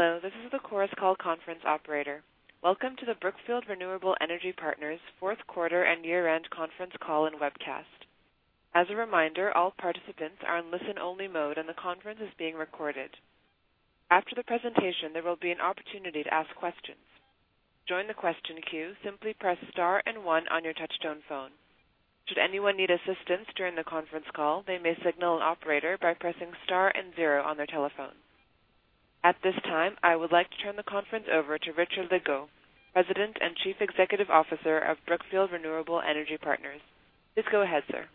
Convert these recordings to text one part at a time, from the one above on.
Hello, this is the Chorus Call conference operator. Welcome to the Brookfield Renewable Energy Partners fourth quarter and year-end conference call and webcast. As a reminder, all participants are in listen-only mode, and the conference is being recorded. After the presentation, there will be an opportunity to ask questions. To join the question queue, simply press star and one on your touchtone phone. Should anyone need assistance during the conference call, they may signal an operator by pressing star and zero on their telephone. At this time, I would like to turn the conference over to Richard Legault, President and Chief Executive Officer of Brookfield Renewable Energy Partners. Please go ahead, sir.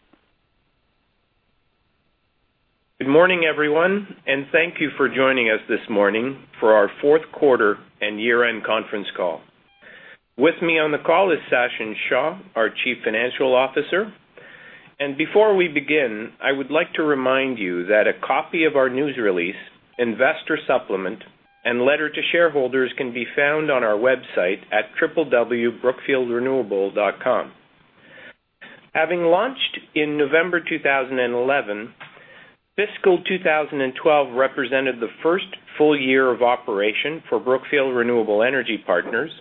Good morning, everyone, and thank you for joining us this morning for our fourth quarter and year-end conference call. With me on the call is Sachin Shah, our Chief Financial Officer. Before we begin, I would like to remind you that a copy of our news release, investor supplement, and letter to shareholders can be found on our website at www.brookfieldrenewable.com. Having launched in November 2011, fiscal 2012 represented the first full year of operation for Brookfield Renewable Energy Partners.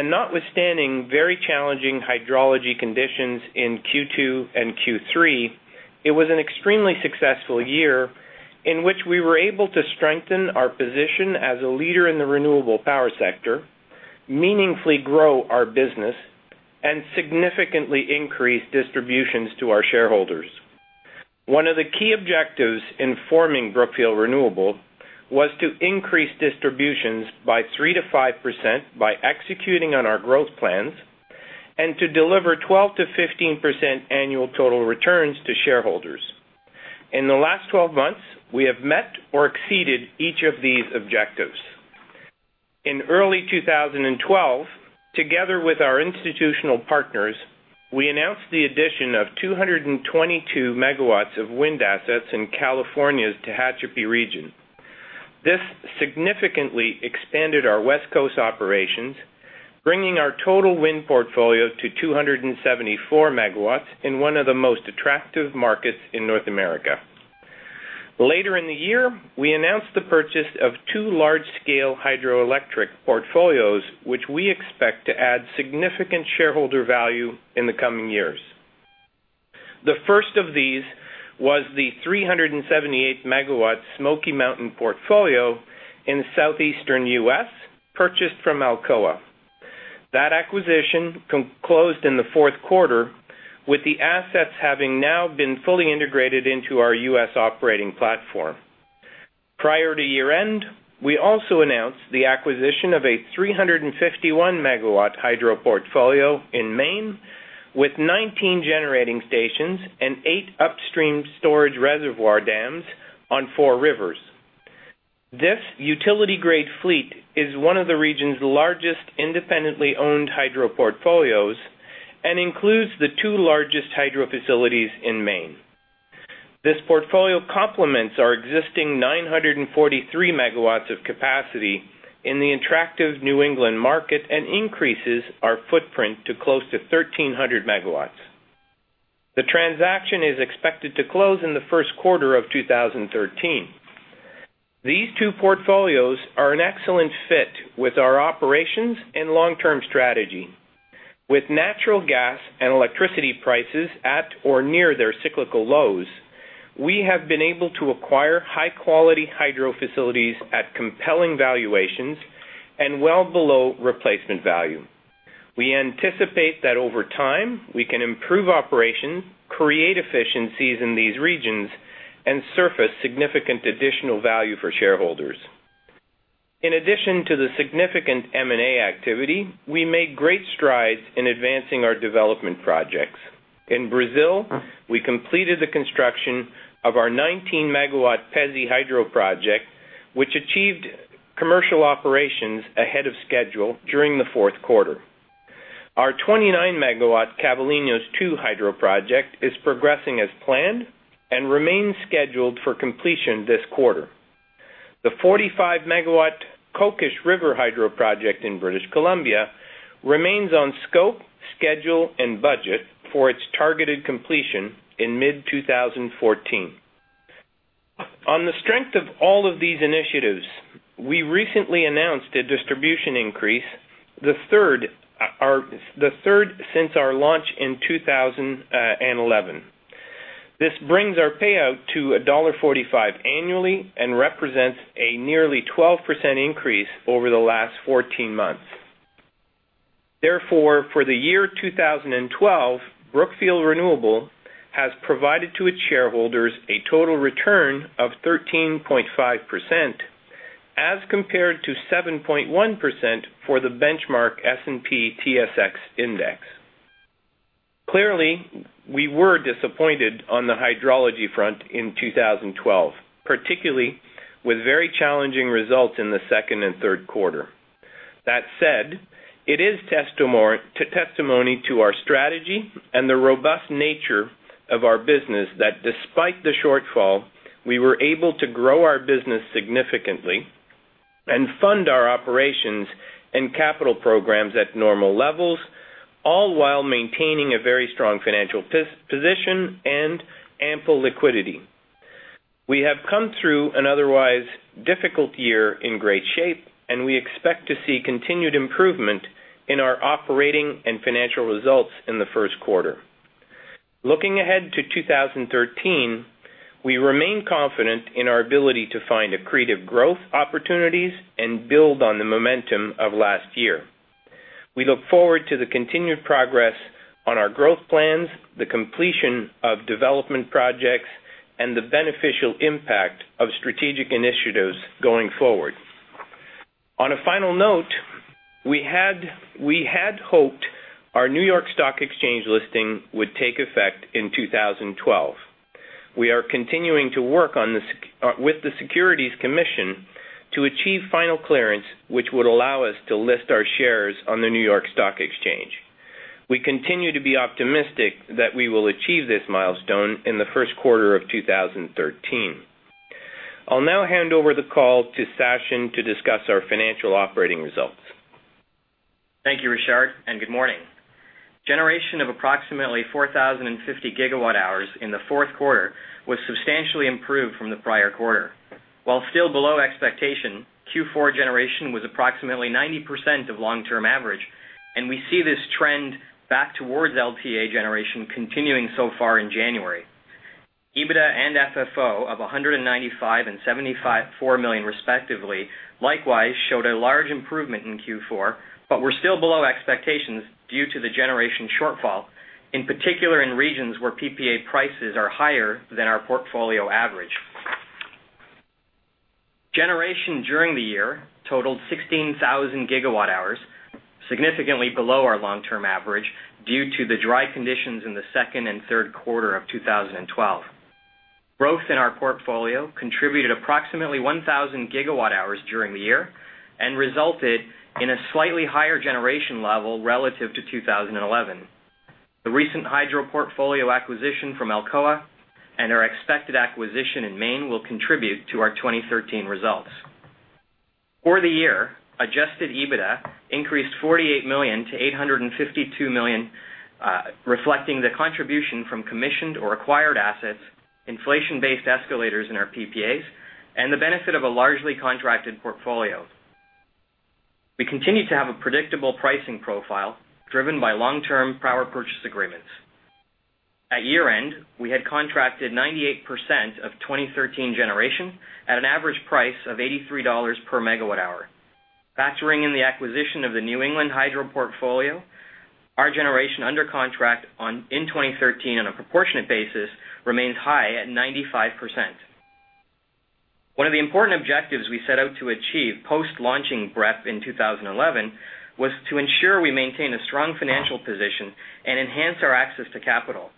Notwithstanding very challenging hydrology conditions in Q2 and Q3, it was an extremely successful year in which we were able to strengthen our position as a leader in the renewable power sector, meaningfully grow our business, and significantly increase distributions to our shareholders. One of the key objectives in forming Brookfield Renewable was to increase distributions by 3%-5% by executing on our growth plans and to deliver 12%-15% annual total returns to shareholders. In the last 12 months, we have met or exceeded each of these objectives. In early 2012, together with our institutional partners, we announced the addition of 222 MW of wind assets in California's Tehachapi region. This significantly expanded our West Coast operations, bringing our total wind portfolio to 274 MW in one of the most attractive markets in North America. Later in the year, we announced the purchase of two large-scale hydroelectric portfolios, which we expect to add significant shareholder value in the coming years. The first of these was the 378 MW Smoky Mountain portfolio in southeastern U.S., purchased from Alcoa. That acquisition closed in the fourth quarter, with the assets having now been fully integrated into our U.S. operating platform. Prior to year-end, we also announced the acquisition of a 351 MW hydro portfolio in Maine, with 19 generating stations and eight upstream storage reservoir dams on four rivers. This utility-grade fleet is one of the region's largest independently owned hydro portfolios and includes the two largest hydro facilities in Maine. This portfolio complements our existing 943 MW of capacity in the attractive New England market and increases our footprint to close to 1,300 MW. The transaction is expected to close in the first quarter of 2013. These two portfolios are an excellent fit with our operations and long-term strategy. With natural gas and electricity prices at or near their cyclical lows, we have been able to acquire high-quality hydro facilities at compelling valuations and well below replacement value. We anticipate that over time we can improve operations, create efficiencies in these regions, and surface significant additional value for shareholders. In addition to the significant M&A activity, we made great strides in advancing our development projects. In Brazil, we completed the construction of our 19 MW Pezzi hydro project, which achieved commercial operations ahead of schedule during the fourth quarter. Our 29 MW Serra dos Cavalinhos II hydro project is progressing as planned and remains scheduled for completion this quarter. The 45 MW Kokish River Hydro project in British Columbia remains on scope, schedule, and budget for its targeted completion in mid-2014. On the strength of all of these initiatives, we recently announced a distribution increase, the third since our launch in 2011. This brings our payout to $1.45 annually and represents a nearly 12% increase over the last 14 months. Therefore, for the year 2012, Brookfield Renewable has provided to its shareholders a total return of 13.5%, as compared to 7.1% for the benchmark S&P/TSX Composite Index. Clearly, we were disappointed on the hydrology front in 2012, particularly with very challenging results in the second and third quarter. That said, it is testimony to our strategy and the robust nature of our business that despite the shortfall, we were able to grow our business significantly and fund our operations and capital programs at normal levels. All while maintaining a very strong financial position and ample liquidity. We have come through an otherwise difficult year in great shape, and we expect to see continued improvement in our operating and financial results in the first quarter. Looking ahead to 2013, we remain confident in our ability to find accretive growth opportunities and build on the momentum of last year. We look forward to the continued progress on our growth plans, the completion of development projects, and the beneficial impact of strategic initiatives going forward. On a final note, we had hoped our New York Stock Exchange listing would take effect in 2012. We are continuing to work on the SEC with the Securities and Exchange Commission to achieve final clearance, which would allow us to list our shares on the New York Stock Exchange. We continue to be optimistic that we will achieve this milestone in the first quarter of 2013. I'll now hand over the call to Sachin to discuss our financial operating results. Thank you, Richard, and good morning. Generation of approximately 4,050 GWh in the fourth quarter was substantially improved from the prior quarter. While still below expectation, Q4 generation was approximately 90% of long-term average, and we see this trend back towards LTA generation continuing so far in January. EBITDA and FFO of $195 million and $75.4 million respectively, likewise showed a large improvement in Q4, but were still below expectations due to the generation shortfall, in particular regions where PPA prices are higher than our portfolio average. Generation during the year totaled 16,000 GWh, significantly below our long-term average due to the dry conditions in the second and third quarter of 2012. Growth in our portfolio contributed approximately 1,000 GWh during the year and resulted in a slightly higher generation level relative to 2011. The recent hydro portfolio acquisition from Alcoa and our expected acquisition in Maine will contribute to our 2013 results. For the year, adjusted EBITDA increased $48 million to $852 million, reflecting the contribution from commissioned or acquired assets, inflation-based escalators in our PPAs, and the benefit of a largely contracted portfolio. We continue to have a predictable pricing profile driven by long-term power purchase agreements. At year-end, we had contracted 98% of 2013 generation at an average price of $83 per MWh. Factoring in the acquisition of the New England Hydro portfolio, our generation under contract in 2013 on a proportionate basis remains high at 95%. One of the important objectives we set out to achieve post-launching BREP in 2011 was to ensure we maintain a strong financial position and enhance our access to capital.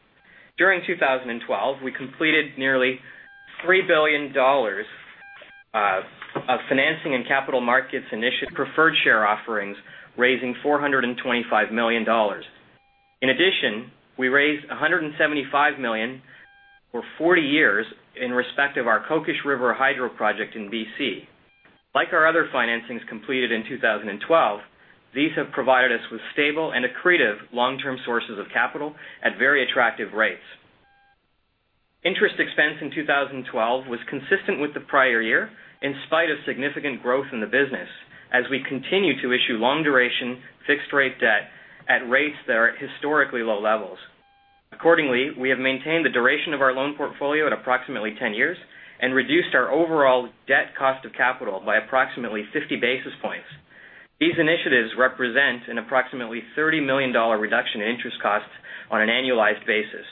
During 2012, we completed nearly $3 billion of financing and capital markets preferred share offerings, raising $425 million. In addition, we raised $175 million for 40 years in respect of our Kokish River Hydro project in BC. Like our other financings completed in 2012, these have provided us with stable and accretive long-term sources of capital at very attractive rates. Interest expense in 2012 was consistent with the prior year, in spite of significant growth in the business, as we continue to issue long duration fixed rate debt at rates that are at historically low levels. Accordingly, we have maintained the duration of our loan portfolio at approximately 10 years and reduced our overall debt cost of capital by approximately 50 basis points. These initiatives represent an approximately $30 million reduction in interest costs on an annualized basis.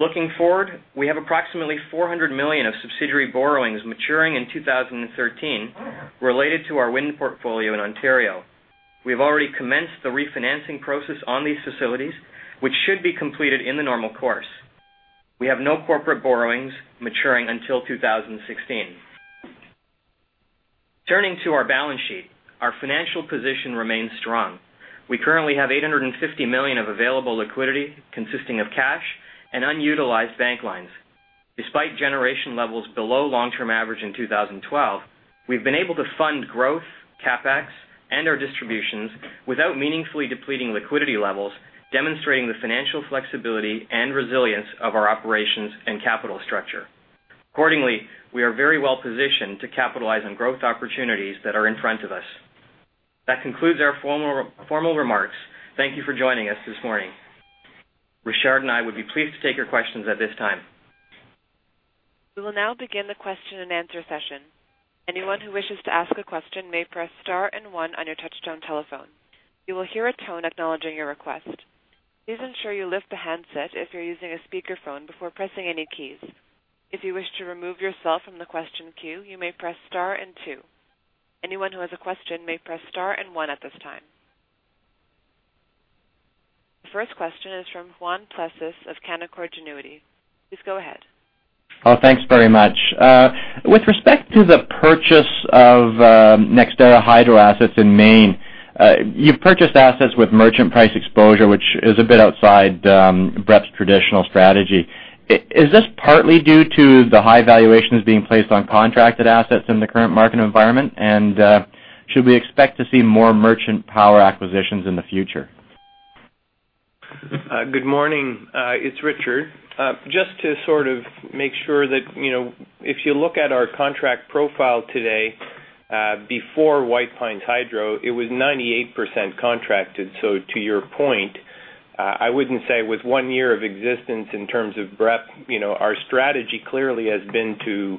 Looking forward, we have approximately $400 million of subsidiary borrowings maturing in 2013 related to our wind portfolio in Ontario. We have already commenced the refinancing process on these facilities, which should be completed in the normal course. We have no corporate borrowings maturing until 2016. Turning to our balance sheet, our financial position remains strong. We currently have $850 million of available liquidity consisting of cash and unutilized bank lines. Despite generation levels below long-term average in 2012, we've been able to fund growth, CapEx, and our distributions without meaningfully depleting liquidity levels, demonstrating the financial flexibility and resilience of our operations and capital structure. Accordingly, we are very well positioned to capitalize on growth opportunities that are in front of us. That concludes our formal remarks. Thank you for joining us this morning. Richard and I would be pleased to take your questions at this time. We will now begin the question and answer session. The first question is from Juan Plessis of Canaccord Genuity. Please go ahead. Thanks very much. With respect to the purchase of NextEra's hydro assets in Maine, you've purchased assets with merchant price exposure, which is a bit outside BREP's traditional strategy. Is this partly due to the high valuations being placed on contracted assets in the current market environment? Should we expect to see more merchant power acquisitions in the future? Good morning, it's Richard. Just to sort of make sure that, you know, if you look at our contract profile today, before White Pine Hydro, it was 98% contracted. To your point, I wouldn't say with one year of existence in terms of BREP, you know, our strategy clearly has been to,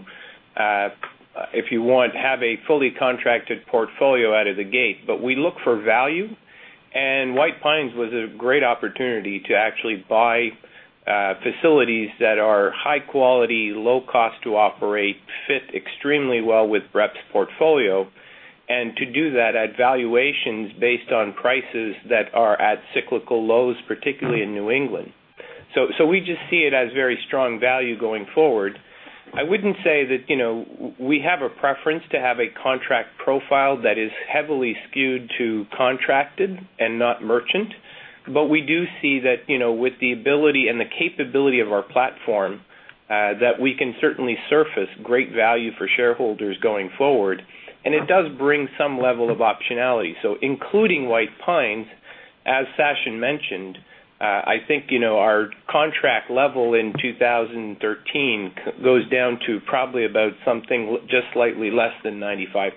if you want, have a fully contracted portfolio out of the gate. We look for value, and White Pine was a great opportunity to actually buy facilities that are high quality, low cost to operate, fit extremely well with BREP portfolio, and to do that at valuations based on prices that are at cyclical lows, particularly in New England. So we just see it as very strong value going forward. I wouldn't say that, you know, we have a preference to have a contract profile that is heavily skewed to contracted and not merchant. But we do see that, you know, with the ability and the capability of our platform, that we can certainly surface great value for shareholders going forward, and it does bring some level of optionality. Including White Pine Hydro, as Sachin mentioned, I think, you know, our contract level in 2013 goes down to probably about just slightly less than 95%.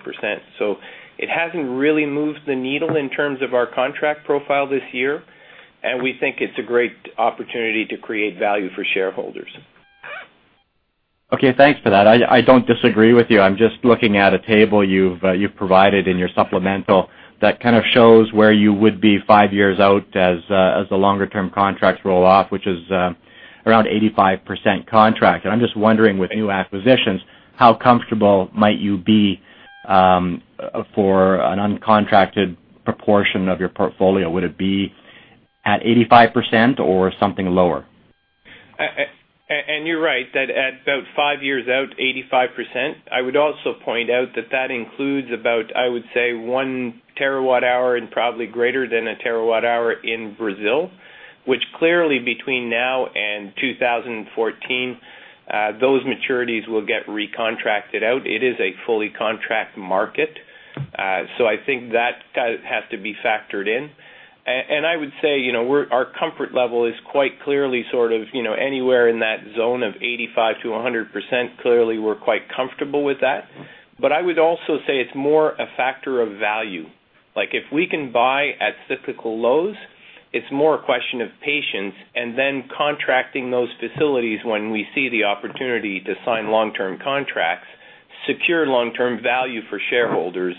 It hasn't really moved the needle in terms of our contract profile this year, and we think it's a great opportunity to create value for shareholders. Okay, thanks for that. I don't disagree with you. I'm just looking at a table you've provided in your supplemental that kind of shows where you would be five years out as the longer-term contracts roll off, which is around 85% contract. I'm just wondering, with new acquisitions, how comfortable might you be for an uncontracted proportion of your portfolio? Would it be at 85% or something lower? You're right that at about five years out, 85%. I would also point out that that includes about, I would say, 1 TWh and probably greater than 1 TWh in Brazil, which clearly between now and 2014, those maturities will get recontracted out. It is a fully contract market. So I think that has to be factored in. I would say, you know, our comfort level is quite clearly sort of, you know, anywhere in that zone of 85%-100%. Clearly, we're quite comfortable with that. I would also say it's more a factor of value. Like, if we can buy at cyclical lows, it's more a question of patience and then contracting those facilities when we see the opportunity to sign long-term contracts, secure long-term value for shareholders,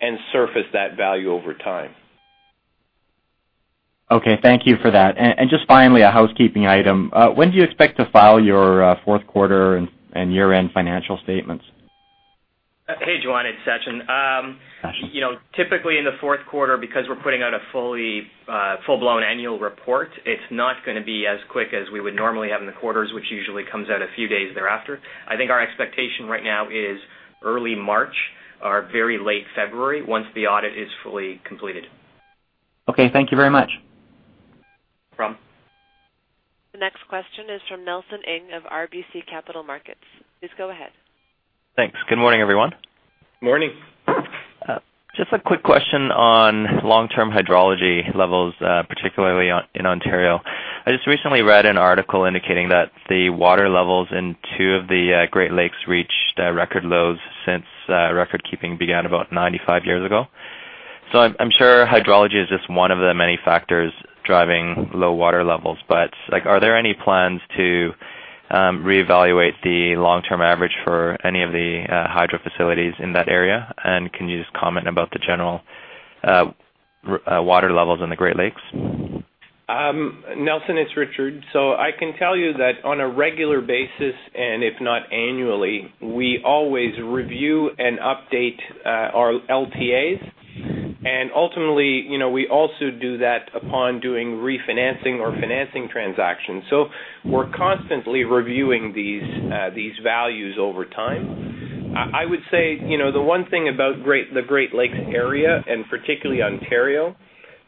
and surface that value over time. Okay, thank you for that. Just finally, a housekeeping item. When do you expect to file your fourth quarter and year-end financial statements? Hey, Juan, it's Sachin. Sachin. You know, typically in the fourth quarter, because we're putting out a fully full-blown annual report, it's not gonna be as quick as we would normally have in the quarters, which usually comes out a few days thereafter. I think our expectation right now is early March or very late February once the audit is fully completed. Okay, thank you very much. No problem. The next question is from Nelson Ng of RBC Capital Markets. Please go ahead. Thanks. Good morning, everyone. Morning. Just a quick question on long-term hydrology levels, particularly in Ontario. I just recently read an article indicating that the water levels in two of the Great Lakes reached record lows since record-keeping began about 95 years ago. I'm sure hydrology is just one of the many factors driving low water levels. Like, are there any plans to reevaluate the long-term average for any of the hydro facilities in that area? And can you just comment about the general water levels in the Great Lakes? Nelson, it's Richard. I can tell you that on a regular basis, and if not annually, we always review and update our LTAs. Ultimately, you know, we also do that upon doing refinancing or financing transactions. We're constantly reviewing these values over time. I would say, you know, the one thing about the Great Lakes area and particularly Ontario,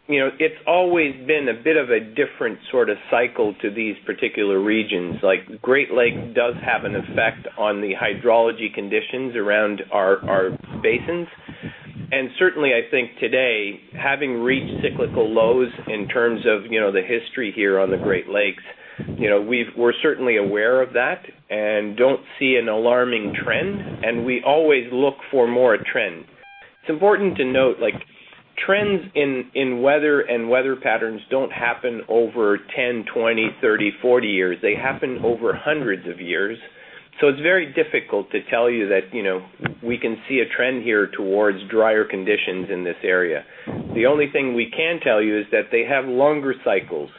you know, it's always been a bit of a different sort of cycle to these particular regions. Like, Great Lakes does have an effect on the hydrology conditions around our basins. Certainly, I think today, having reached cyclical lows in terms of, you know, the history here on the Great Lakes, you know, we're certainly aware of that and don't see an alarming trend, and we always look for more trends. It's important to note, like, trends in weather and weather patterns don't happen over 10, 20, 30, 40 years. They happen over hundreds of years. It's very difficult to tell you that, you know, we can see a trend here towards drier conditions in this area. The only thing we can tell you is that they have longer cycles.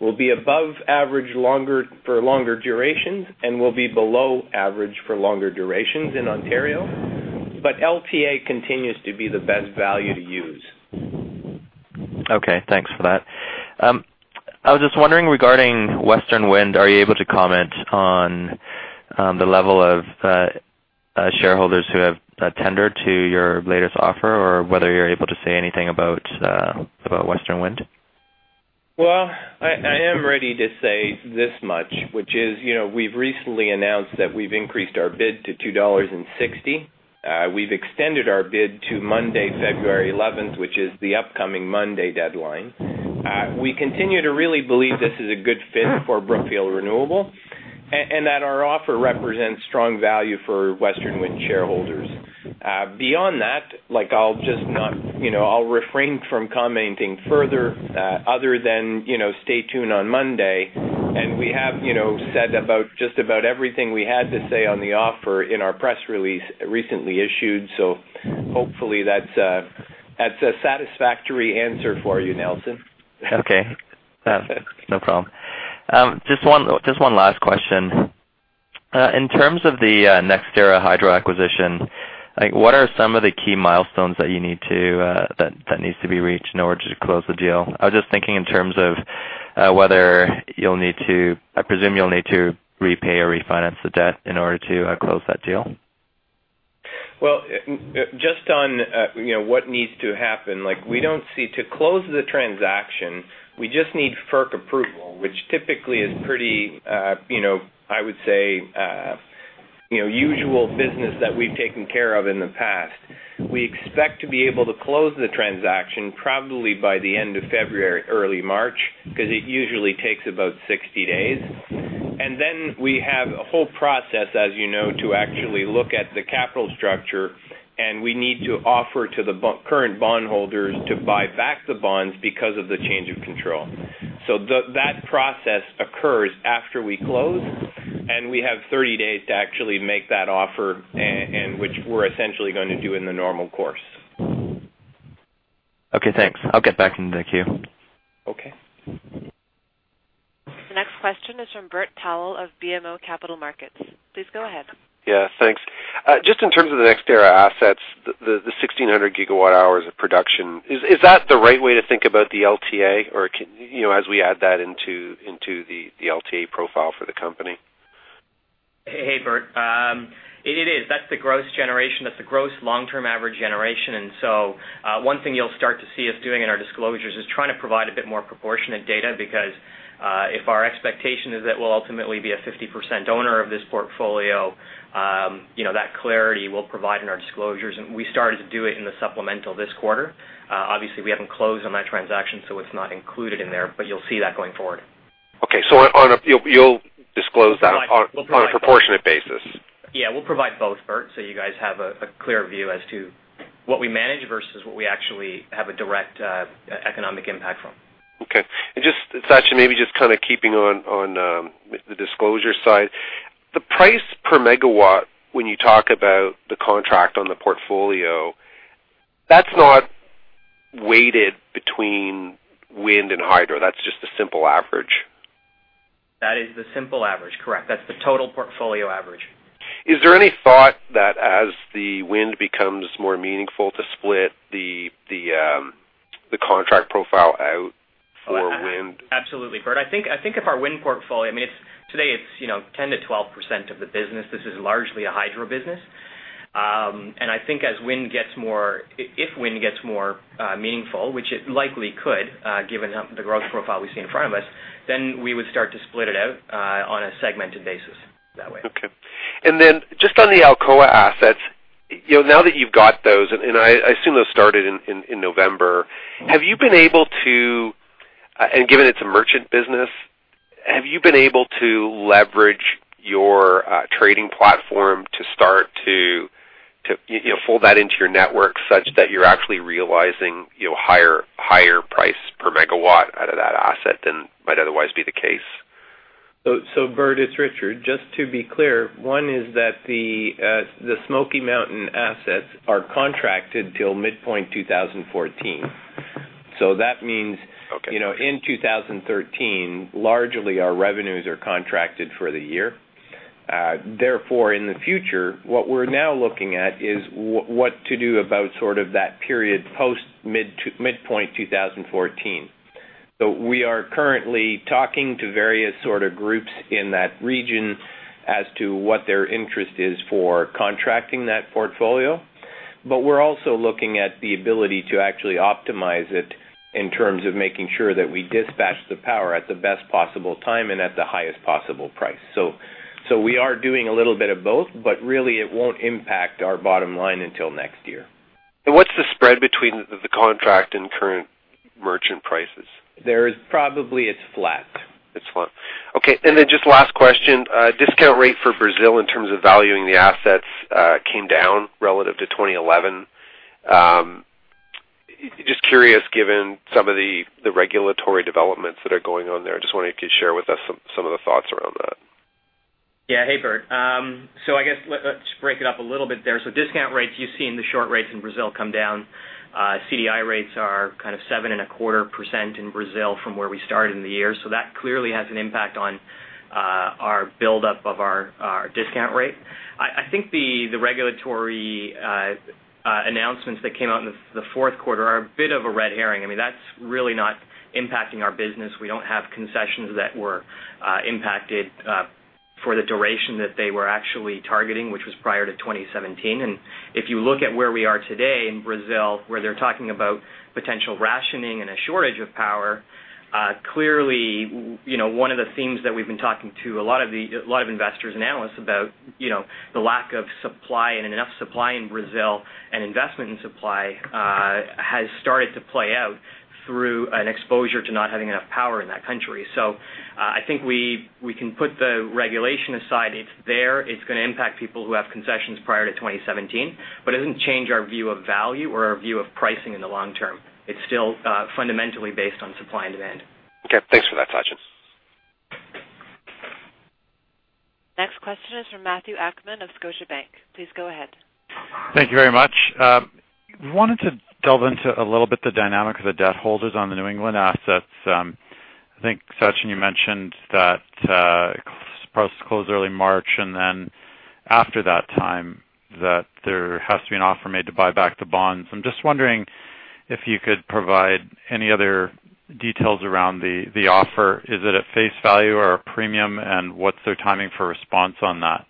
We'll be above average for longer durations and will be below average for longer durations in Ontario. LTA continues to be the best value to use. Okay, thanks for that. I was just wondering regarding Western Wind, are you able to comment on the level of shareholders who have tendered to your latest offer or whether you're able to say anything about Western Wind? Well, I am ready to say this much, which is, you know, we've recently announced that we've increased our bid to $2.60. We've extended our bid to Monday, February eleventh, which is the upcoming Monday deadline. We continue to really believe this is a good fit for Brookfield Renewable and that our offer represents strong value for Western Wind shareholders. Beyond that, like, I'll just not, you know, I'll refrain from commenting further, other than, you know, stay tuned on Monday. We have, you know, said about just about everything we had to say on the offer in our press release recently issued. Hopefully that's a satisfactory answer for you, Nelson. Okay. Yeah. No problem. Just one last question. In terms of the NextEra hydro acquisition, like what are some of the key milestones that needs to be reached in order to close the deal? I was just thinking in terms of I presume you'll need to repay or refinance the debt in order to close that deal. Well, just on, you know, what needs to happen, like. To close the transaction, we just need FERC approval, which typically is pretty, you know, I would say, you know, usual business that we've taken care of in the past. We expect to be able to close the transaction probably by the end of February, early March, 'cause it usually takes about 60 days. Then we have a whole process, as you know, to actually look at the capital structure, and we need to offer to the current bondholders to buy back the bonds because of the change of control. That process occurs after we close, and we have 30 days to actually make that offer and which we're essentially gonna do in the normal course. Okay, thanks. I'll get back in the queue. Okay. The next question is from Bert Powell of BMO Capital Markets. Please go ahead. Yeah, thanks. Just in terms of the NextEra assets, the 1,600 GWh of production, is that the right way to think about the LTA or can you know as we add that into the LTA profile for the company? Hey, Bert. It is. That's the gross generation. That's the gross long-term average generation. One thing you'll start to see us doing in our disclosures is trying to provide a bit more proportionate data because if our expectation is that we'll ultimately be a 50% owner of this portfolio, you know, that clarity we'll provide in our disclosures, and we started to do it in the supplemental this quarter. Obviously, we haven't closed on that transaction, so it's not included in there, but you'll see that going forward. Okay. You'll disclose that. We'll provide. On a proportionate basis. Yeah, we'll provide both, Bert, so you guys have a clear view as to what we manage versus what we actually have a direct economic impact from. Okay. Just, Sachin, maybe just kinda keeping on the disclosure side. The price per megawatt when you talk about the contract on the portfolio, that's not weighted between wind and hydro. That's just a simple average. That is the simple average, correct. That's the total portfolio average. Is there any thought that as the wind becomes more meaningful to split the contract profile out for wind? Absolutely, Bert. I think if our wind portfolio, I mean, it's today, you know, 10%-12% of the business. This is largely a hydro business. I think if wind gets more meaningful, which it likely could, given the growth profile we see in front of us, then we would start to split it out on a segmented basis that way. Okay. Just on the Alcoa assets, you know, now that you've got those, I assume those started in November, have you been able to, and given it's a merchant business, have you been able to leverage your trading platform to start to you know fold that into your network such that you're actually realizing, you know, higher price per megawatt out of that asset than might otherwise be the case? Bert, it's Richard. Just to be clear, one is that the Smoky Mountain assets are contracted till midpoint 2014. That means. Okay. You know, in 2013, largely our revenues are contracted for the year. Therefore, in the future, what we're now looking at is what to do about sort of that period post midpoint 2014. We are currently talking to various sort of groups in that region as to what their interest is for contracting that portfolio. We're also looking at the ability to actually optimize it in terms of making sure that we dispatch the power at the best possible time and at the highest possible price. We are doing a little bit of both, but really it won't impact our bottom line until next year. What's the spread between the contract and current merchant prices? There is probably it's flat. It's flat. Okay. Then just last question, discount rate for Brazil in terms of valuing the assets, came down relative to 2011. Just curious, given some of the regulatory developments that are going on there, just wondering if you could share with us some of the thoughts around that. Yeah. Hey, Bert. I guess let's break it up a little bit there. Discount rates, you've seen the short rates in Brazil come down. CDI rates are kind of 7.25% in Brazil from where we started in the year. That clearly has an impact on our buildup of our discount rate. I think the regulatory announcements that came out in the fourth quarter are a bit of a red herring. I mean, that's really not impacting our business. We don't have concessions that were impacted for the duration that they were actually targeting, which was prior to 2017. If you look at where we are today in Brazil, where they're talking about potential rationing and a shortage of power, clearly, you know, one of the themes that we've been talking to a lot of investors and analysts about, you know, the lack of supply and enough supply in Brazil, and investment in supply, has started to play out through an exposure to not having enough power in that country. I think we can put the regulation aside. It's there, it's gonna impact people who have concessions prior to 2017, but it doesn't change our view of value or our view of pricing in the long term. It's still fundamentally based on supply and demand. Okay, thanks for that, Sachin. Next question is from Matthew Akman of Scotiabank. Please go ahead. Thank you very much. I wanted to delve into a little bit the dynamic of the debt holders on the New England assets. I think, Sachin, you mentioned that supposed to close early March, and then after that time, that there has to be an offer made to buy back the bonds. I'm just wondering if you could provide any other details around the offer. Is it at face value or a premium? And what's their timing for response on that?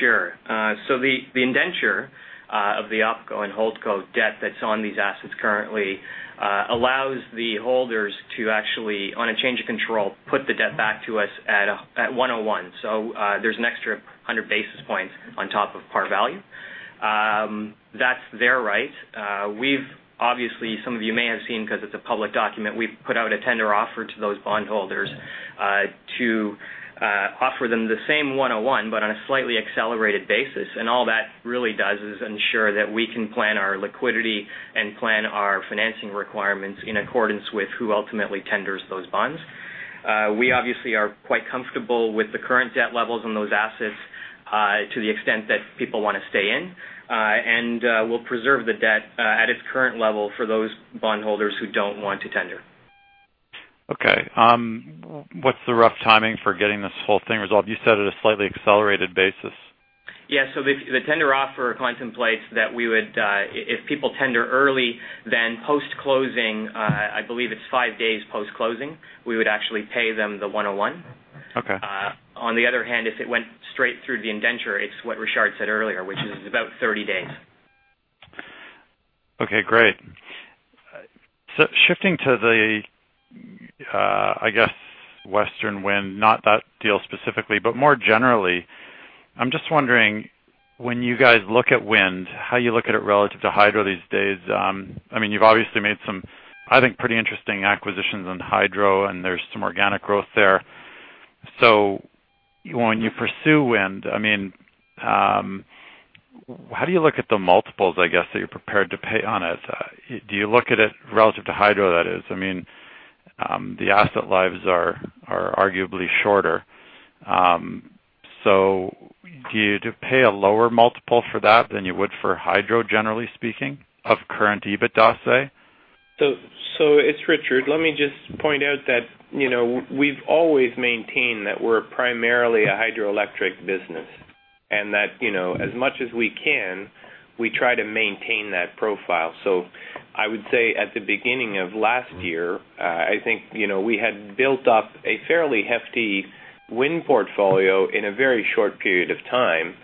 Sure. The indenture of the OpCo and HoldCo debt that's on these assets currently allows the holders to actually, on a change of control, put the debt back to us at 101. There's an extra 100 basis points on top of par value. That's their right. We've obviously, some of you may have seen 'cause it's a public document, put out a tender offer to those bondholders to offer them the same 101, but on a slightly accelerated basis. All that really does is ensure that we can plan our liquidity and plan our financing requirements in accordance with who ultimately tenders those bonds. We obviously are quite comfortable with the current debt levels on those assets to the extent that people wanna stay in. We'll preserve the debt at its current level for those bondholders who don't want to tender. Okay. What's the rough timing for getting this whole thing resolved? You said at a slightly accelerated basis. The tender offer contemplates that we would, if people tender early, then post-closing, I believe it's five days post-closing, we would actually pay them the $101. Okay. On the other hand, if it went straight through the indenture, it's what Richard said earlier, which is about 30 days. Okay, great. Shifting to the, I guess, western wind, not that deal specifically, but more generally, I'm just wondering, when you guys look at wind, how you look at it relative to hydro these days. I mean, you've obviously made some, I think, pretty interesting acquisitions on hydro, and there's some organic growth there. When you pursue wind, I mean, how do you look at the multiples, I guess, that you're prepared to pay on it? Do you look at it relative to hydro, that is? I mean, the asset lives are arguably shorter. Do you pay a lower multiple for that than you would for hydro, generally speaking, of current EBITDA, say? It's Richard. Let me just point out that, you know, we've always maintained that we're primarily a hydroelectric business, and that, you know, as much as we can, we try to maintain that profile. I would say at the beginning of last year, I think, you know, we had built up a fairly hefty wind portfolio in a very short period of time,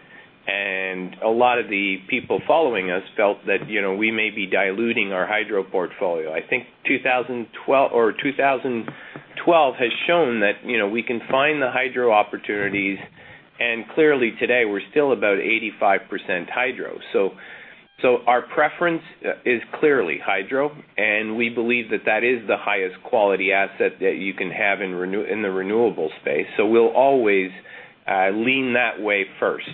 and a lot of the people following us felt that, you know, we may be diluting our hydro portfolio. I think 2012 has shown that, you know, we can find the hydro opportunities, and clearly today we're still about 85% hydro. Our preference is clearly hydro, and we believe that that is the highest quality asset that you can have in the renewable space. We'll always lean that way first.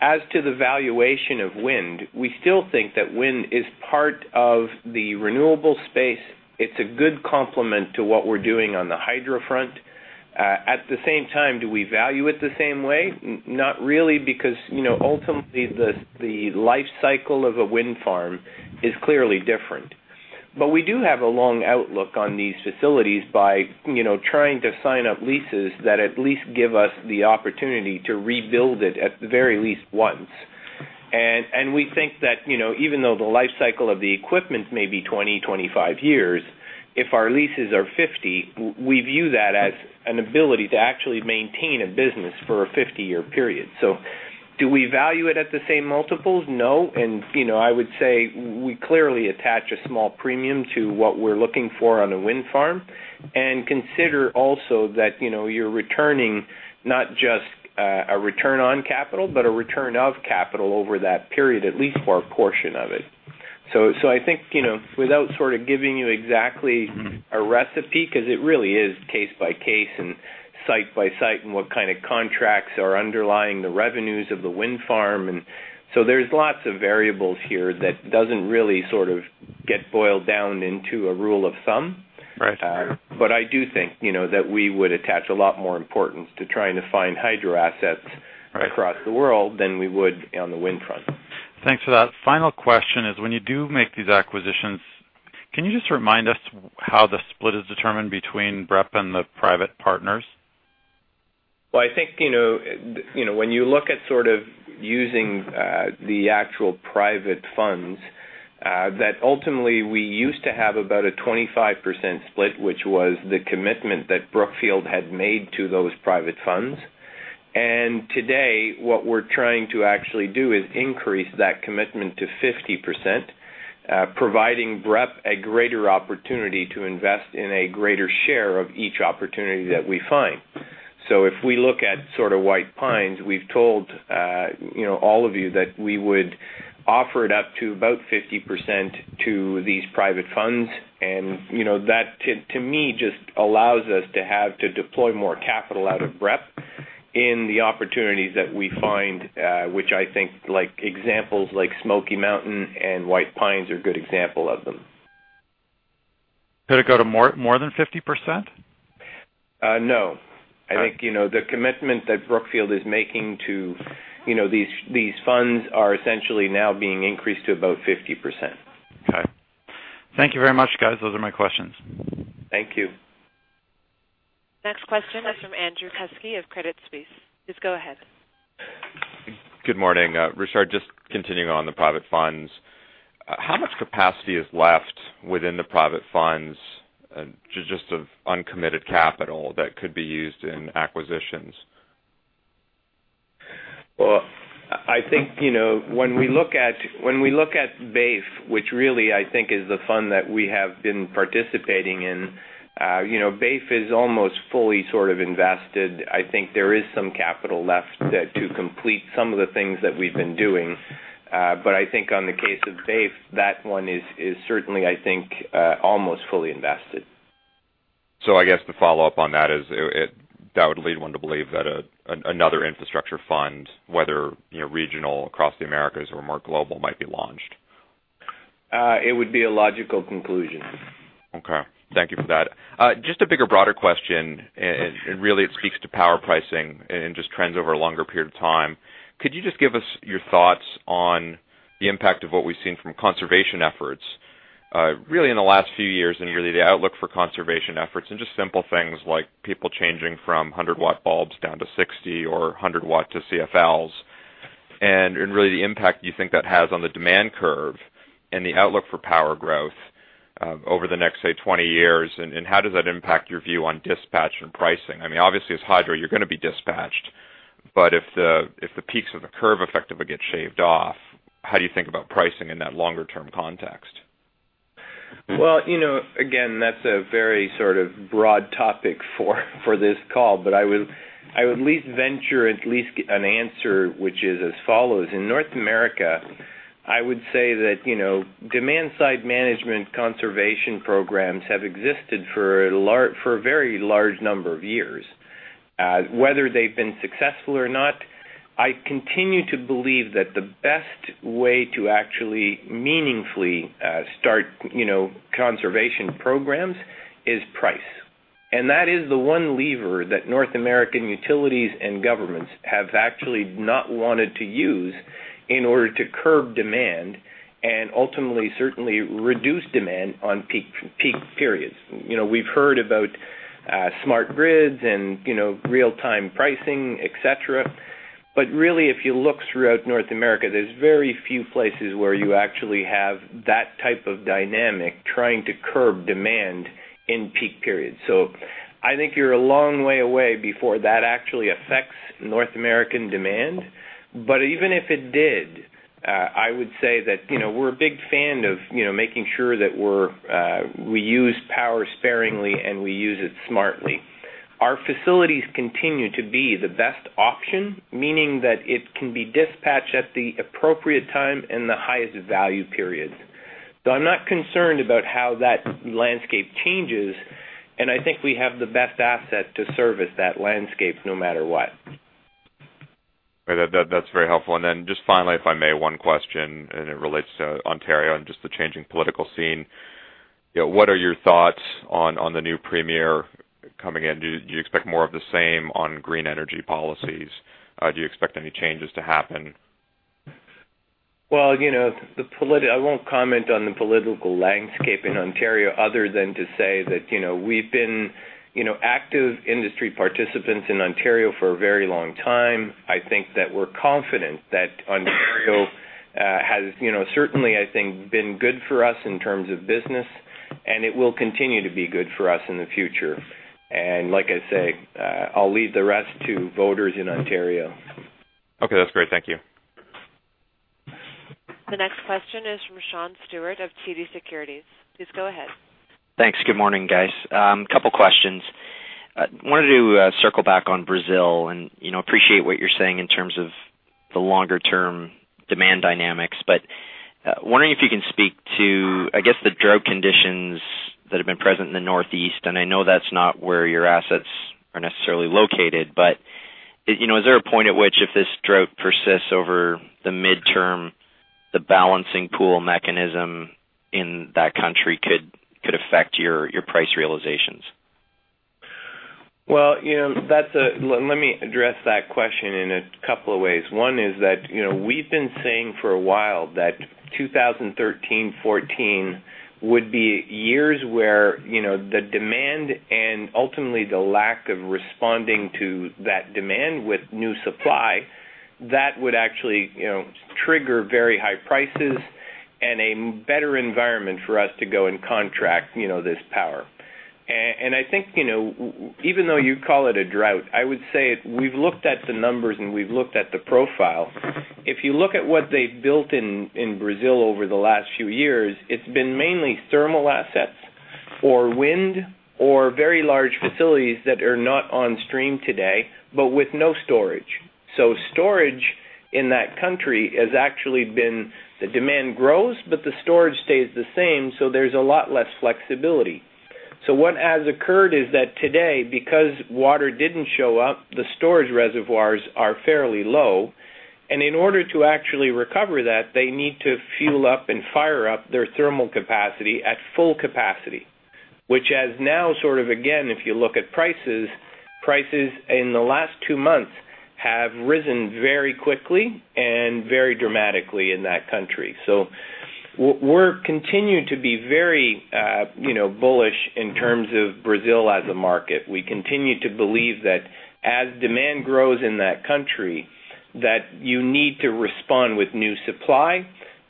As to the valuation of wind, we still think that wind is part of the renewable space. It's a good complement to what we're doing on the hydro front. At the same time, do we value it the same way? Not really, because, you know, ultimately the life cycle of a wind farm is clearly different. But we do have a long outlook on these facilities by, you know, trying to sign up leases that at least give us the opportunity to rebuild it at the very least once. And we think that, you know, even though the life cycle of the equipment may be 20-25 years, if our leases are 50, we view that as an ability to actually maintain a business for a 50-year period. Do we value it at the same multiples? No. You know, I would say we clearly attach a small premium to what we're looking for on a wind farm. Consider also that, you know, you're returning not just a return on capital, but a return of capital over that period, at least for a portion of it. I think, you know, without sort of giving you exactly a recipe, 'cause it really is case by case and site by site, and what kind of contracts are underlying the revenues of the wind farm. There's lots of variables here that doesn't really sort of get boiled down into a rule of thumb. Right. I do think, you know, that we would attach a lot more importance to trying to find hydro assets. Right Across the world than we would on the wind front. Thanks for that. Final question is, when you do make these acquisitions. Can you just remind us how the split is determined between BREP and the private partners? Well, I think, you know, when you look at sort of using the actual private funds that ultimately we used to have about a 25% split, which was the commitment that Brookfield had made to those private funds. Today, what we're trying to actually do is increase that commitment to 50%, providing BREP a greater opportunity to invest in a greater share of each opportunity that we find. If we look at sort of White Pine, we've told you know all of you that we would offer it up to about 50% to these private funds. You know, that to me just allows us to have to deploy more capital out of BREP in the opportunities that we find, which I think like examples like Smoky Mountain and White Pine are good example of them. Could it go to more than 50%? No. All right. I think, you know, the commitment that Brookfield is making to, you know, these funds are essentially now being increased to about 50%. Okay. Thank you very much, guys. Those are my questions. Thank you. Next question is from Andrew Kuske of Credit Suisse. Please go ahead. Good morning. Richard, just continuing on the private funds. How much capacity is left within the private funds, just of uncommitted capital that could be used in acquisitions? Well, I think, you know, when we look at BAIF, which really I think is the fund that we have been participating in, you know, BAIF is almost fully sort of invested. I think there is some capital left there to complete some of the things that we've been doing. I think on the case of BAIF, that one is certainly I think almost fully invested. I guess the follow-up on that is it that would lead one to believe that another infrastructure fund, whether you know regional across the Americas or more global, might be launched. It would be a logical conclusion. Okay. Thank you for that. Just a bigger, broader question, and really it speaks to power pricing and just trends over a longer period of time. Could you just give us your thoughts on the impact of what we've seen from conservation efforts, really in the last few years and really the outlook for conservation efforts and just simple things like people changing from 100-watt bulbs down to 60-watt or 100-watt to CFLs? Really the impact you think that has on the demand curve and the outlook for power growth over the next, say, 20 years. How does that impact your view on dispatch and pricing? I mean, obviously as hydro you're gonna be dispatched, but if the peaks of the curve effectively get shaved off, how do you think about pricing in that longer term context? Well, you know, again, that's a very sort of broad topic for this call, but I would at least venture an answer which is as follows. In North America, I would say that, you know, demand side management conservation programs have existed for a very large number of years. Whether they've been successful or not, I continue to believe that the best way to actually meaningfully start, you know, conservation programs is price. That is the one lever that North American utilities and governments have actually not wanted to use in order to curb demand and ultimately certainly reduce demand on peak periods. You know, we've heard about smart grids and, you know, real-time pricing, et cetera. Really if you look throughout North America, there's very few places where you actually have that type of dynamic trying to curb demand in peak periods. I think you're a long way away before that actually affects North American demand. Even if it did, I would say that, you know, we're a big fan of, you know, making sure that we're, we use power sparingly and we use it smartly. Our facilities continue to be the best option, meaning that it can be dispatched at the appropriate time and the highest value periods. I'm not concerned about how that landscape changes, and I think we have the best asset to service that landscape no matter what. Right. That's very helpful. Just finally, if I may, one question, and it relates to Ontario and just the changing political scene. You know, what are your thoughts on the new premier coming in? Do you expect more of the same on green energy policies? Do you expect any changes to happen? I won't comment on the political landscape in Ontario other than to say that, you know, we've been, you know, active industry participants in Ontario for a very long time. I think that we're confident that Ontario has, you know, certainly I think been good for us in terms of business, and it will continue to be good for us in the future. Like I say, I'll leave the rest to voters in Ontario. Okay, that's great. Thank you. The next question is from Sean Steuart of TD Securities. Please go ahead. Thanks. Good morning, guys. Couple questions. I wanted to circle back on Brazil and, you know, appreciate what you're saying in terms of the longer term demand dynamics. Wondering if you can speak to, I guess, the drought conditions that have been present in the Northeast. I know that's not where your assets are necessarily located, but, you know, is there a point at which if this drought persists over the midterm, the balancing pool mechanism in that country could affect your price realizations? Well, you know, that's. Let me address that question in a couple of ways. One is that, you know, we've been saying for a while that 2013, 2014 would be years where, you know, the demand and ultimately the lack of responding to that demand with new supply, that would actually, you know, trigger very high prices and a better environment for us to go and contract, you know, this power. I think, you know, even though you call it a drought, I would say we've looked at the numbers, and we've looked at the profile. If you look at what they've built in Brazil over the last few years, it's been mainly thermal assets or wind or very large facilities that are not on stream today, but with no storage. Storage in that country has actually been that demand grows, but the storage stays the same, so there's a lot less flexibility. What has occurred is that today, because water didn't show up, the storage reservoirs are fairly low. In order to actually recover that, they need to fuel up and fire up their thermal capacity at full capacity, which has now sort of again, if you look at prices in the last two months have risen very quickly and very dramatically in that country. We're continuing to be very, you know, bullish in terms of Brazil as a market. We continue to believe that as demand grows in that country, that you need to respond with new supply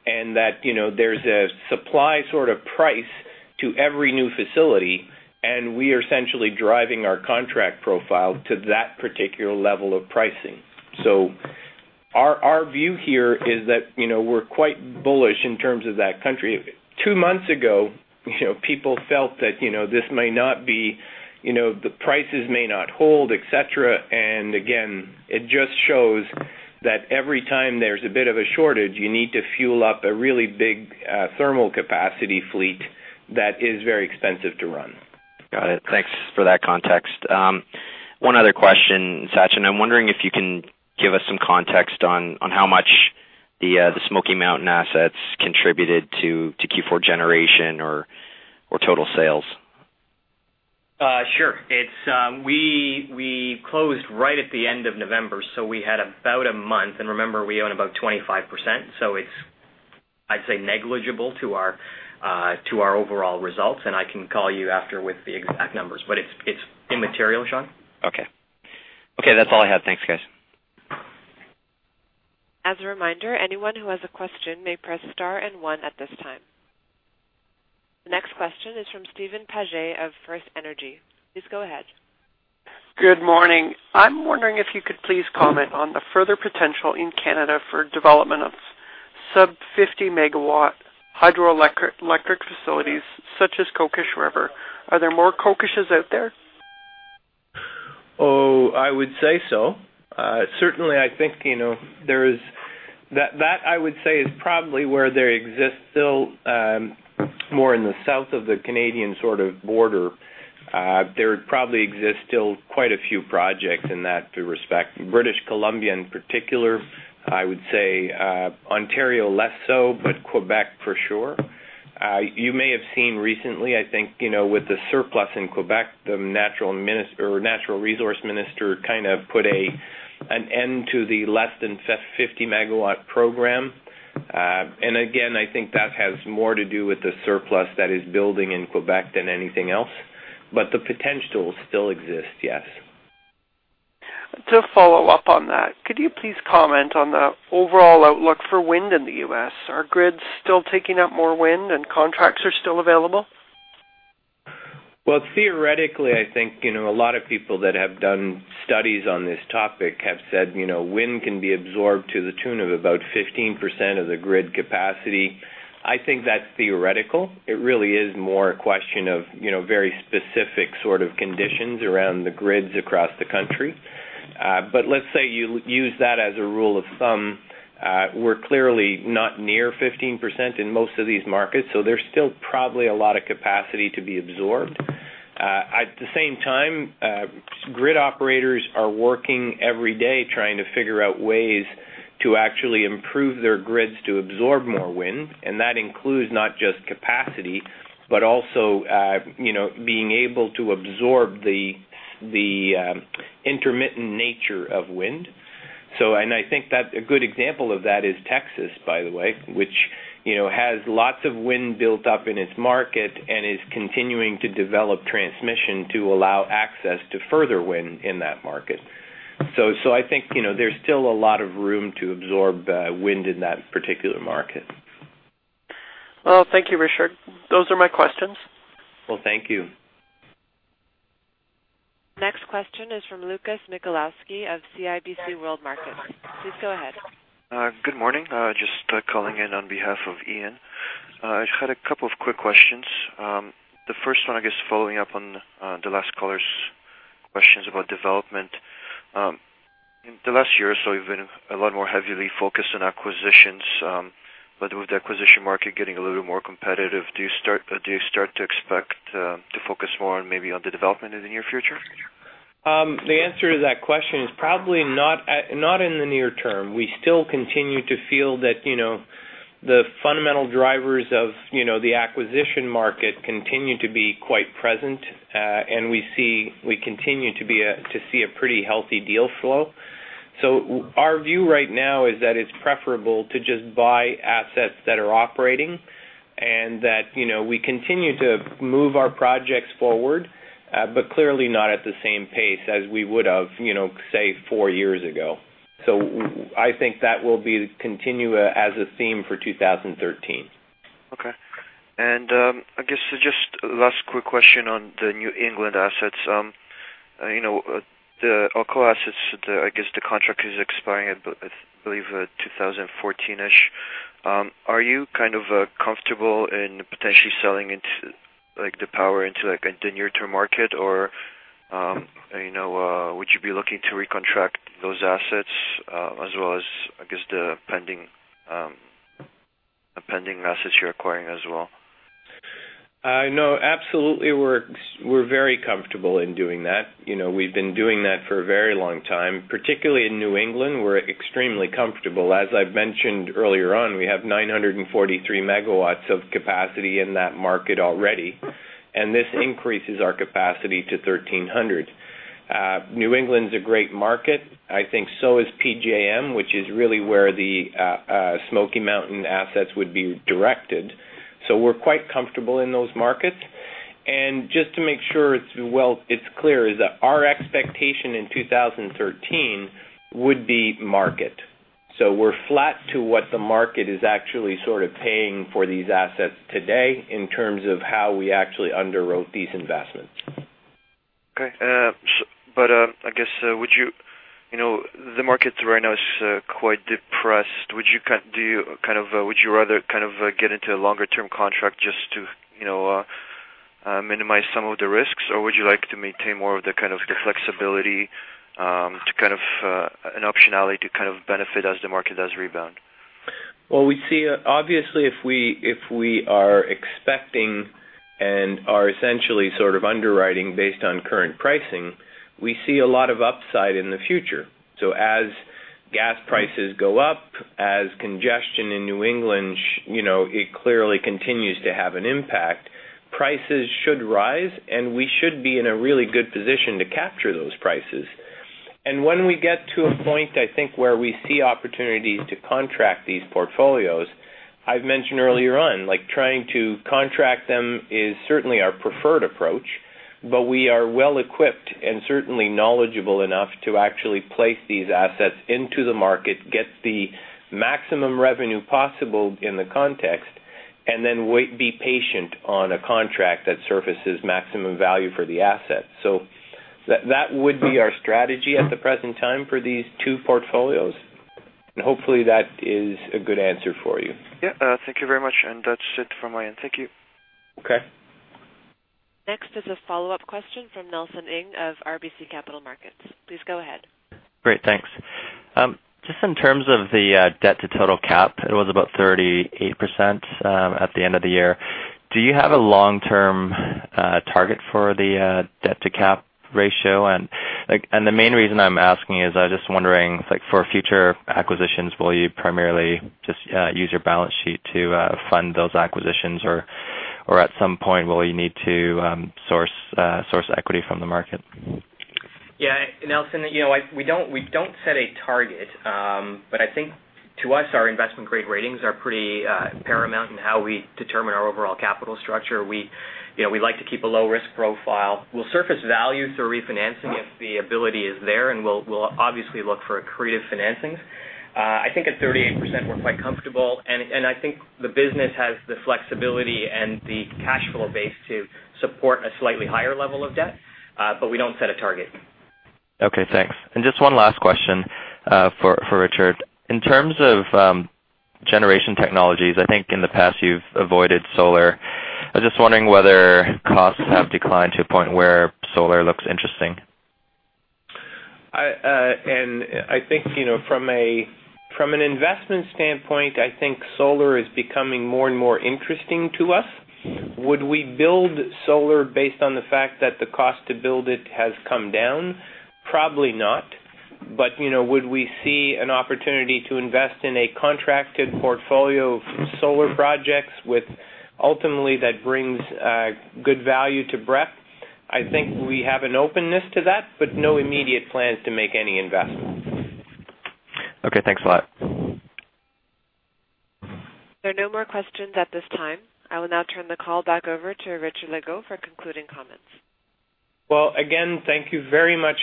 and that, you know, there's a supply sort of price to every new facility, and we are essentially driving our contract profile to that particular level of pricing. Our view here is that, you know, we're quite bullish in terms of that country. Two months ago, you know, people felt that, you know, this may not be, you know, the prices may not hold, et cetera. Again, it just shows that every time there's a bit of a shortage, you need to fuel up a really big thermal capacity fleet that is very expensive to run. Got it. Thanks for that context. One other question, Sachin. I'm wondering if you can give us some context on how much the Smoky Mountain assets contributed to Q4 generation or total sales. Sure. It's we closed right at the end of November, so we had about a month. Remember, we own about 25%, so it's, I'd say, negligible to our overall results. I can call you after with the exact numbers, but it's immaterial, Sean. Okay. Okay, that's all I had. Thanks, guys. As a reminder, anyone who has a question may press star and one at this time. The next question is from Steven Paget of FirstEnergy Capital. Please go ahead. Good morning. I'm wondering if you could please comment on the further potential in Canada for development of sub-50-MW hydroelectric facilities such as Kokish River. Are there more Kokishes out there? I would say so. Certainly I think, you know, there is. That I would say is probably where there exists still more in the south of the Canadian sort of border. There probably exists still quite a few projects in that respect. British Columbia, in particular, I would say, Ontario less so, but Quebec for sure. You may have seen recently, I think, you know, with the surplus in Quebec, the natural resource minister kind of put an end to the less than 50-MW program. Again, I think that has more to do with the surplus that is building in Quebec than anything else. The potential still exists, yes. To follow up on that, could you please comment on the overall outlook for wind in the U.S.? Are grids still taking up more wind and contracts are still available? Well, theoretically, I think, you know, a lot of people that have done studies on this topic have said, you know, wind can be absorbed to the tune of about 15% of the grid capacity. I think that's theoretical. It really is more a question of, you know, very specific sort of conditions around the grids across the country. But let's say you use that as a rule of thumb. We're clearly not near 15% in most of these markets, so there's still probably a lot of capacity to be absorbed. At the same time, grid operators are working every day trying to figure out ways to actually improve their grids to absorb more wind, and that includes not just capacity, but also, you know, being able to absorb the intermittent nature of wind. I think that a good example of that is Texas, by the way, which, you know, has lots of wind built up in its market and is continuing to develop transmission to allow access to further wind in that market. I think, you know, there's still a lot of room to absorb wind in that particular market. Well, thank you, Richard. Those are my questions. Well, thank you. Next question is from Lucas of CIBC World Markets. Please go ahead. Good morning. Just calling in on behalf of Ian. I had a couple of quick questions. The first one, I guess, following up on the last caller's questions about development. In the last year or so you've been a lot more heavily focused on acquisitions. But with the acquisition market getting a little more competitive, do you start to expect to focus more on maybe on the development in the near future? The answer to that question is probably not in the near term. We still continue to feel that the fundamental drivers of, you know, the acquisition market continue to be quite present. We continue to see a pretty healthy deal flow. Our view right now is that it's preferable to just buy assets that are operating. And that, you know, we continue to move our projects forward, but clearly not at the same pace as we would have, you know, say, four years ago. I think that will continue as a theme for 2013. Okay. I guess just last quick question on the New England assets. You know, the Alcoa assets, I guess, the contract is expiring at, I believe, 2014-ish. Are you kind of comfortable in potentially selling into like the power into, like a near-term market? Or, you know, would you be looking to recontract those assets, as well as, I guess, the pending assets you're acquiring as well? No, absolutely. We're very comfortable in doing that. You know, we've been doing that for a very long time. Particularly in New England, we're extremely comfortable. As I've mentioned earlier on, we have 943 MW of capacity in that market already, and this increases our capacity to 1,300 MW. New England's a great market. I think so is PJM, which is really where the Smoky Mountain assets would be directed. We're quite comfortable in those markets. Just to make sure it's clear, our expectation in 2013 would be market. We're flat to what the market is actually sort of paying for these assets today in terms of how we actually underwrote these investments. Okay. I guess you know the markets right now is quite depressed. Would you rather kind of get into a longer-term contract just to you know minimize some of the risks? Or would you like to maintain more of the kind of flexibility to kind of an optionality to kind of benefit as the market does rebound? Well, we see obviously if we are expecting and are essentially sort of underwriting based on current pricing, we see a lot of upside in the future. As gas prices go up, as congestion in New England, you know, it clearly continues to have an impact. Prices should rise, and we should be in a really good position to capture those prices. When we get to a point, I think, where we see opportunities to contract these portfolios, I've mentioned earlier on, like trying to contract them is certainly our preferred approach. We are well equipped and certainly knowledgeable enough to actually place these assets into the market, get the maximum revenue possible in the context, and then wait, be patient on a contract that surfaces maximum value for the asset. That would be our strategy at the present time for these two portfolios. Hopefully that is a good answer for you. Yeah. Thank you very much. That's it from my end. Thank you. Okay. Next is a follow-up question from Nelson Ng of RBC Capital Markets. Please go ahead. Great, thanks. Just in terms of the debt to total cap, it was about 38% at the end of the year. Do you have a long-term target for the debt to cap ratio? Like, the main reason I'm asking is I was just wondering, like for future acquisitions, will you primarily just use your balance sheet to fund those acquisitions? Or at some point, will you need to source equity from the market? Yeah, Nelson, you know, we don't set a target. But I think to us, our investment-grade ratings are pretty paramount in how we determine our overall capital structure. You know, we like to keep a low risk profile. We'll surface values through refinancing if the ability is there, and we'll obviously look for creative financings. I think at 38% we're quite comfortable. I think the business has the flexibility and the cash flow base to support a slightly higher level of debt. But we don't set a target. Okay, thanks. Just one last question for Richard. In terms of generation technologies, I think in the past you've avoided solar. I'm just wondering whether costs have declined to a point where solar looks interesting. I think, you know, from an investment standpoint, I think solar is becoming more and more interesting to us. Would we build solar based on the fact that the cost to build it has come down? Probably not. You know, would we see an opportunity to invest in a contracted portfolio of solar projects with ultimately that brings good value to BREP? I think we have an openness to that, but no immediate plans to make any investments. Okay, thanks a lot. There are no more questions at this time. I will now turn the call back over to Richard Legault for concluding comments. Well, again, thank you very much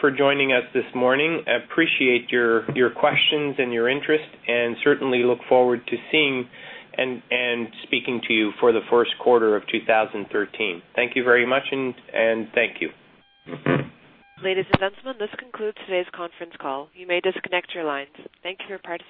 for joining us this morning. I appreciate your questions and your interest, and certainly look forward to seeing and speaking to you for the first quarter of 2013. Thank you very much, and thank you. Ladies and gentlemen, this concludes today's conference call. You may disconnect your lines. Thank you for participating.